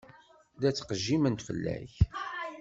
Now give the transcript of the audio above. La ttqejjiment fell-ak.